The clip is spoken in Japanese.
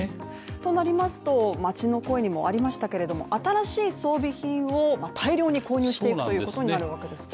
となりますと、街の声にもありましたけれども新しい装備品を大量に購入していくということになるわけですか？